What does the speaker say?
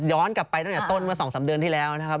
ย้อนกลับไปตั้งแต่ต้น๒๓เดือนที่แล้วนะครับ